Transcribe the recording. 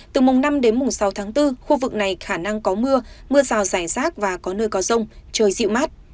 từ mùng năm đến mùng sáu tháng bốn khu vực này khả năng có mưa mưa rào rải rác và có nơi có rông trời dịu mát